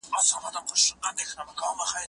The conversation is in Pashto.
هغه څوک چي سیر کوي روغ وي،